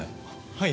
はい。